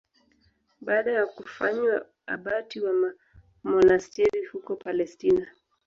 Baada ya kufanywa abati wa monasteri huko Palestina.